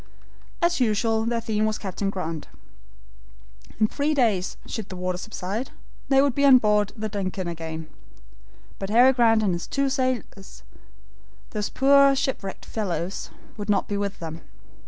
As usual their theme was Captain Grant. In three days, should the water subside, they would be on board the DUNCAN once more. But Harry Grant and his two sailors, those poor shipwrecked fellows, would not be with them.